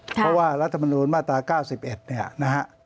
เพราะว่ารัฐมนูลมาตรา๙๑เนี่ยนะฮะ